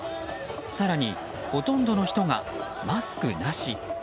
更に、ほとんどの人がマスクなし。